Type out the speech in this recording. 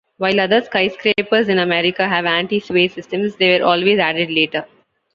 While other skyscrapers in America have anti-sway systems, they were always added later.